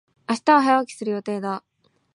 明日は早起きする予定だ。